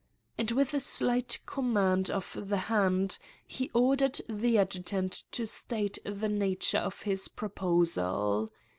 And with a slight command of the hand he or dered the adjutant to state the nature of his pro posal.